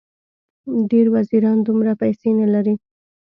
ډېر وزیران دومره پیسې نه لري.